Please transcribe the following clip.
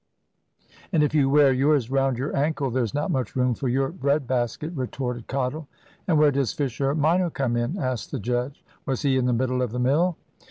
"And if you wear yours round your ankle, there's not much room for your bread basket," retorted Cottle. "And where does Fisher minor come in?" asked the judge; "was he in the middle of the mill?"